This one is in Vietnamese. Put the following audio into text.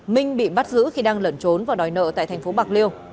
minh bị bắt giữ khi đang lẩn trốn và đòi nợ tại thành phố bạc liêu